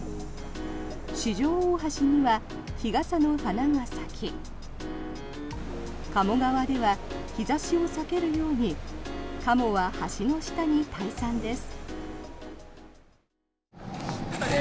四条大橋には日傘の花が咲き鴨川では日差しを避けるようにカモは橋の下に退散です。